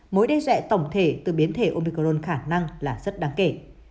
mối đe dọa tổng thể từ biến thể omicron khả năng là rất đáng kể